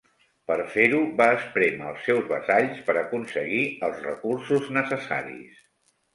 Per fer-ho va esprémer els seus vassalls per aconseguir els recursos necessaris.